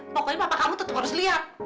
pokoknya papa kamu tetap harus liat